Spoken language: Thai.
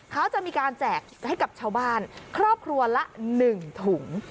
เขาจะมีการแจกให้กับชาวบ้านครอบครัวละ๑ถุง